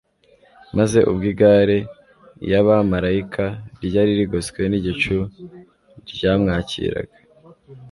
maze ubwo igare Iy'abamaraika, ryari rigoswe n'igicu ryamwakiraga,